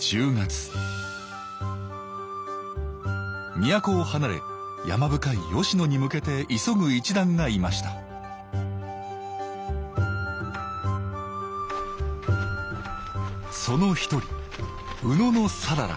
都を離れ山深い吉野に向けて急ぐ一団がいましたその一人野讃良。